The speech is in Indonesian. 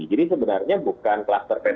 jadi sebenarnya bukan kluster ptm